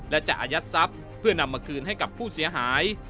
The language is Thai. และจะอายัดทรัพย์เพื่อนำมาคืนให้กับผู้เสียหาย